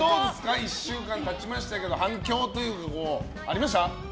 １週間経ちましたが反響というかありました？